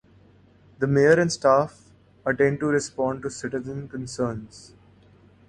The mayor and staff attend to respond to citizen concerns.